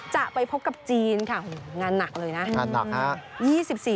จะไปพบกับจีนค่ะงานหนักเลยนะงานหนักค่ะ